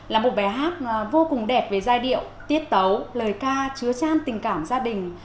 là một bài hát vô cùng đẹp về giai điệu tiết tấu lời ca chứa trang tình cảm gia đình